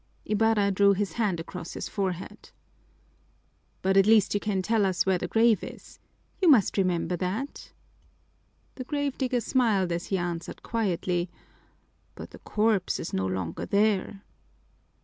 Ibarra drew his hand across his forehead. "But at least you can tell us where the grave is. You must remember that." The grave digger smiled as he answered quietly, "But the corpse is no longer there."